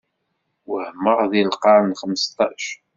Wehmeɣ deg lqern xmesṭac.